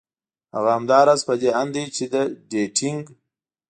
هغه همدا راز په دې اند ده چې د ډېټېنګ